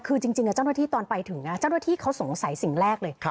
คือจริงเจ้าหน้าที่ตอนไปถึงนะเจ้าหน้าที่เขาสงสัยสิ่งแรกเลย